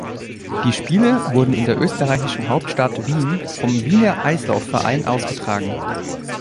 Die Spiele wurden in der österreichischen Hauptstadt Wien vom Wiener Eislaufverein ausgetragen.